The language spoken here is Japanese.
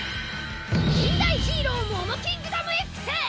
禁断ヒーローモモキングダムＸ！